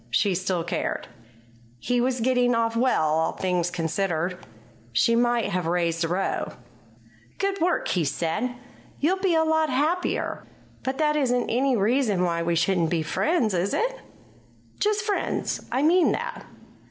She still cared. He was getting off well, all things considered. She might have raised a row. "Good work!" he said. "You'll be a lot happier. But that isn't any reason why we shouldn't be friends, is it? Just friends; I mean that.